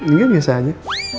engga biasa aja